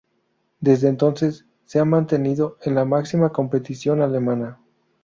Desde entonces se ha mantenido en la máxima competición alemana.